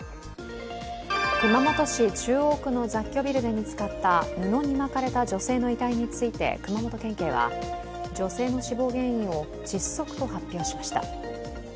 熊本市中央区の雑居ビルで見つかった布に巻かれた女性の遺体について熊本県警は女性の死亡原因を窒息と発表しました。